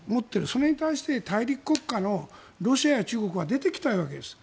それに対して大陸国家のロシアや中国は出てきたいわけです。